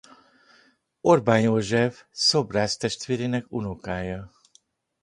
Orbán József szobrász testvérének unokája.